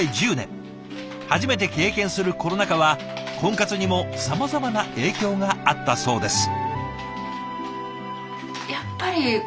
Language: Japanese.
初めて経験するコロナ禍は婚活にもさまざまな影響があったそうです。